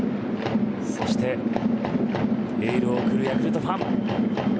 そして、エールを送るヤクルトファン。